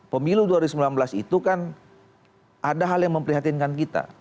pemilu dua ribu sembilan belas itu kan ada hal yang memprihatinkan kita